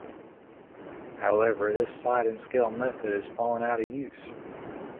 However, this sliding scale method is falling out of use.